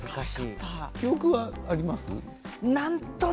記憶はあります。